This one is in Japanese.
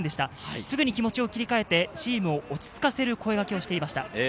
すぐに気持ちを切り替えてチームを落ち着かせる声掛けをしていました。